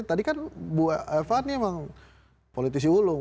tadi kan bu eva ini memang politisi ulung